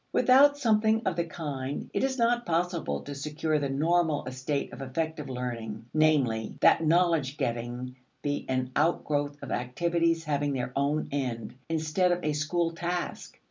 Without something of the kind, it is not possible to secure the normal estate of effective learning; namely, that knowledge getting be an outgrowth of activities having their own end, instead of a school task.